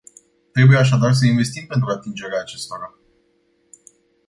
Trebuie așadar să investim pentru atingerea acestora.